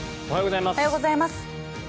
おはようございます。